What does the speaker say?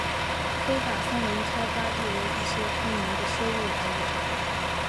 非法森林开发亦为一些村民的收入来源。